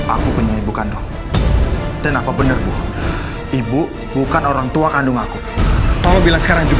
aku punya ibu kandung dan apa benar bu ibu bukan orang tua kandung aku tolong bila sekarang juga